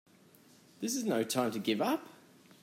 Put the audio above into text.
This is no time to give up!